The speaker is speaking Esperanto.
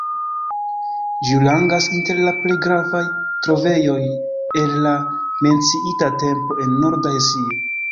Ĝi rangas inter la plej gravaj trovejoj el la menciita tempo en Norda Hesio.